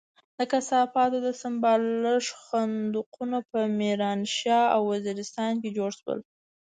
د کثافاتو د سمبالښت خندقونه په ميرانشاه او وزيرستان کې جوړ شول.